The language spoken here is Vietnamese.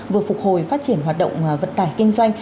vừa phục hồi phát triển hoạt động vận tải kinh doanh